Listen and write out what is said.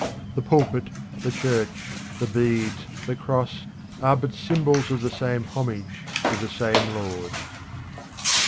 The pulpit, the church, the beads, the cross, are but symbols of the same homage to the same Lord.